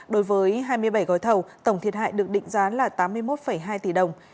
đối với hai mươi bảy gói thầu tổng thiệt hại được định giá là tám mươi một hai tỷ đồng